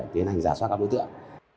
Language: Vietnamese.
tiến hành giả soát các đối tượng